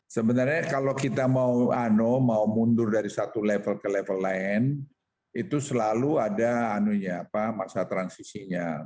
sebenarnya kalau kita mau mundur dari satu level ke level lain itu selalu ada masa transisinya